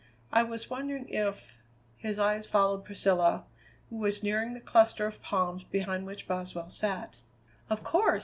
I was wondering if " His eyes followed Priscilla, who was nearing the cluster of palms behind which Boswell sat. "Of course!"